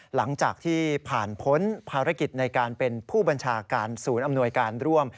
หลังจากที่ผ่านพ้นภารกิจในการเป็นผู้บัญชาการศูนย์อำนวยการร่วม